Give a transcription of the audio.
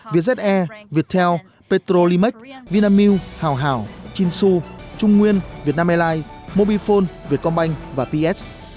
vietjet air viettel petrolimex vinamilk hào hảo chinsu trung nguyên vietnam airlines mobifone vietcombank và ps